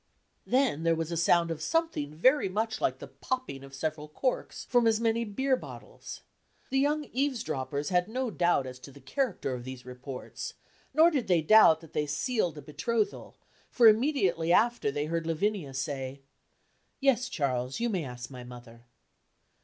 Then there was a sound of something very much like the popping of several corks from as many beer bottles. The young eaves droppers had no doubt as to the character of these reports, nor did they doubt that they sealed the betrothal, for immediately after they heard Lavinia say: "Yes, Charles, you may ask my mother."